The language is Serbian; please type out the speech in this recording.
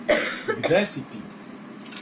Где си ти!